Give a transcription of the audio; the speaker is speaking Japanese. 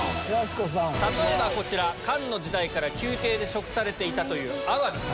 例えばこちら漢の時代から宮廷で食されていたというアワビ。